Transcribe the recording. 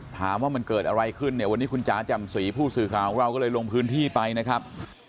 ถามว่ามันเกิดอะไรขึ้นเนี่ยวันนี้คุณจ๋าจำศรีผู้สื่อข่าวของเราก็เลยลงพื้นที่ไปนะครับ